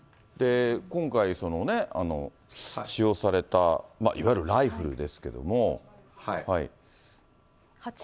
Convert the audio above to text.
今回使用されたいわゆるライフルですけれども。